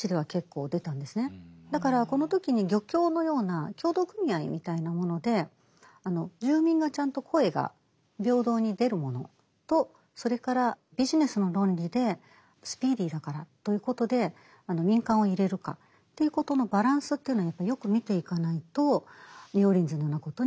だからこの時に漁協のような協同組合みたいなもので住民がちゃんと声が平等に出るものとそれからビジネスの論理でスピーディーだからということで民間を入れるかということのバランスというのはやっぱりよく見ていかないとニューオーリンズのようなことになってしまう。